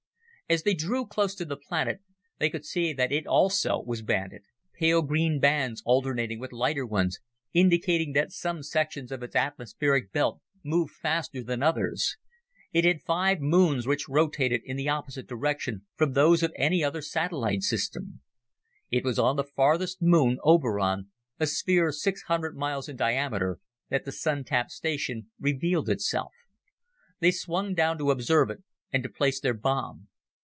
As they drew close to the planet, they could see that it also was banded, pale green bands alternating with lighter ones indicating that some sections of its atmospheric belt moved faster than others. It had five moons which rotated in the opposite direction from those of any other satellite system. It was on the farthest moon, Oberon, a sphere six hundred miles in diameter, that the Sun tap station revealed itself. They swung down to observe it and to place their bomb.